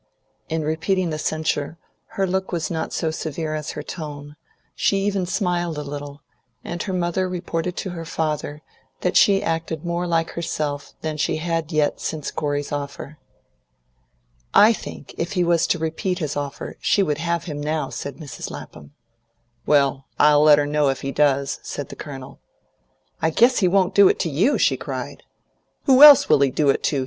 In repeating the censure, her look was not so severe as her tone; she even smiled a little, and her mother reported to her father that she acted more like herself than she had yet since Corey's offer. "I think, if he was to repeat his offer, she would have him now," said Mrs. Lapham. "Well, I'll let her know if he does," said the Colonel. "I guess he won't do it to you!" she cried. "Who else will he do it to?"